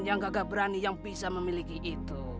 yang gagah berani yang bisa memiliki itu